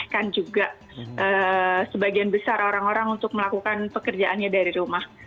kan juga sebagian besar orang orang untuk melakukan pekerjaannya dari rumah